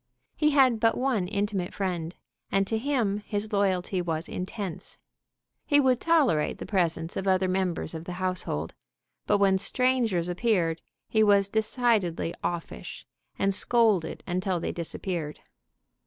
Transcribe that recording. He had but one intimate friend, and to him his loyalty was intense. He would tolerate the presence of other members of the household, but when strangers appeared he was decidedly offish, and scolded until they disappeared.